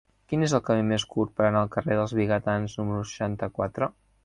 Quin és el camí més curt per anar al carrer dels Vigatans número seixanta-quatre?